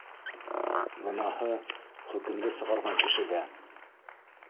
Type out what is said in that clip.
Гонаһы хөкөмдө сығарған кешегә.